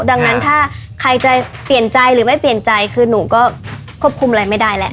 ดังนั้นถ้าใครจะเปลี่ยนใจหรือไม่เปลี่ยนใจคือหนูก็ควบคุมอะไรไม่ได้แล้ว